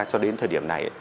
cho đến thời điểm này